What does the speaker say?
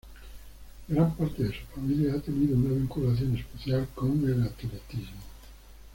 Gran parte de su familia ha tenido una vinculación especial con el atletismo.